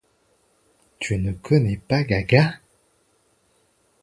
Tu ne connais pas Gaga?